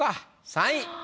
３位。